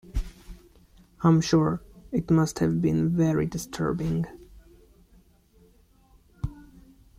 I’m sure it must have been very disturbing.